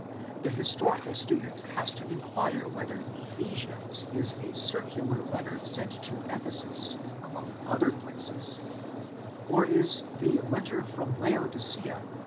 The historical student has to inquire whether Ephesians is a circular letter sent to Ephesus among other places, or is the "letter from Laodicea".